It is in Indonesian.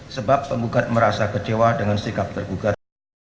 sebab penggugat merasa kecewa dengan sikap tergugat